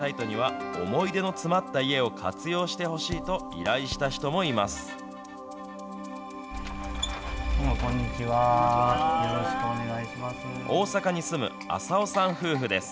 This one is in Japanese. ０円の物件サイトには、思い出の詰まった家を活用してほしいと、依頼した人もいます。